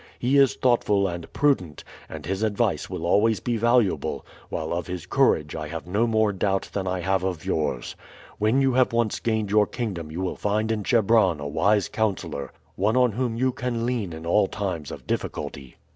He is thoughtful and prudent, and his advice will always be valuable, while of his courage I have no more doubt than I have of yours. When you have once gained your kingdom you will find in Chebron a wise counselor, one on whom you can lean in all times of difficulty.